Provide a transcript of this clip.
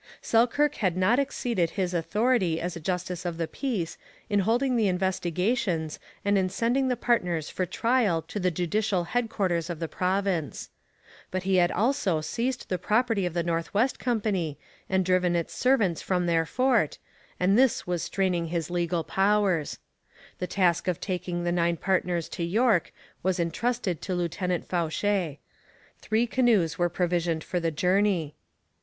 Selkirk had not exceeded his authority as a justice of the peace in holding the investigations and in sending the partners for trial to the judicial headquarters of the province. But he had also seized the property of the North West Company and driven its servants from their fort, and this was straining his legal powers. The task of taking the nine partners to York was entrusted to Lieutenant Fauché. Three canoes were provisioned for the journey.